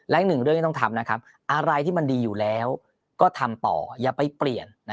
และอีกหนึ่งเรื่องที่ต้องทำนะครับอะไรที่มันดีอยู่แล้วก็ทำต่ออย่าไปเปลี่ยน